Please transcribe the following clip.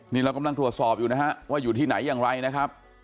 นี่เรากำลังตรวจสอบอยู่นะฮะว่าอยู่ที่ไหนอย่างไรนะครับ